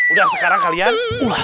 udah sekarang kalian